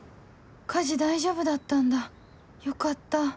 火事大丈夫だったんだよかった